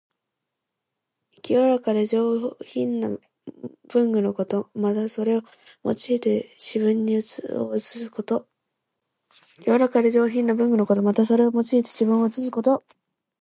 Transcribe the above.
清らかで上品な文具のこと。また、それを用いて詩文を写すこと。